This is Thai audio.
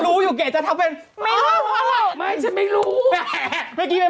รุ่งก่อนสิ